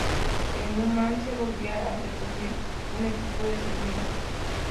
El Numancia volvía a ser, por fin, un equipo de Segunda.